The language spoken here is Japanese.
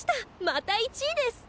また１位です！